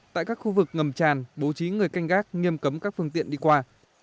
tại các khu vực ngầm tràn bố trí người canh gác nghiêm cấm các phương tiện đi qua